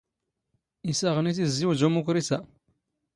ⵉⵙ ⴰⵖ ⵏⵉⵜ ⵉⵣⵣⵉⵡⵣ ⵓⵎⵓⴽⵔⵉⵙ ⴰ.